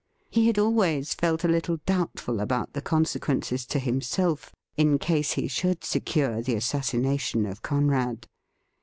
He had always felt a little doubtful about the conse quences to himself in case he should secure the assassina tion of Conrad.